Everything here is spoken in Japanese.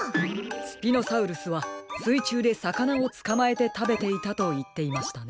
スピノサウルスはすいちゅうでさかなをつかまえてたべていたといっていましたね。